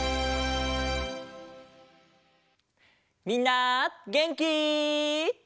みんなげんき？